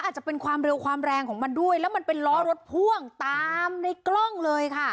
อาจจะเป็นความเร็วความแรงของมันด้วยแล้วมันเป็นล้อรถพ่วงตามในกล้องเลยค่ะ